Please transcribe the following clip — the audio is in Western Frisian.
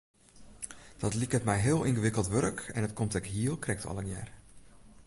Dat liket my heel yngewikkeld wurk en dat komt ek hiel krekt allegear.